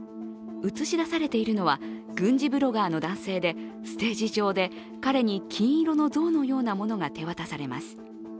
映し出されているのは軍事ブロガーの男性でステージ上で彼に金色の像のようなものが手渡されます。